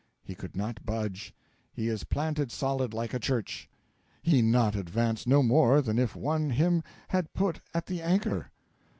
He could not budge, he is planted solid like a church, he not advance no more than if one him had put at the anchor.